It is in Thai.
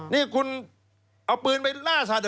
นี่คุณเอาปืนไปล่าสาเดิร์